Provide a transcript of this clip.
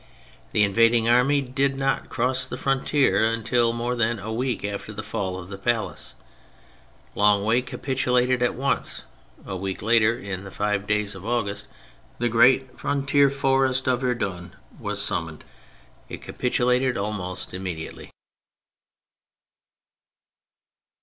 The invading army did not cross the frontier until more than a week after the fall of the palace. Longwy capitu lated at once ; a week later, in the last days of August, the great frontier fortress of Verdun was summoned. It capitulated almost im mediately.